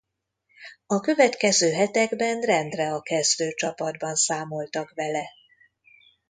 A következő hetekben rendre a kezdőcsapatban számoltak vele.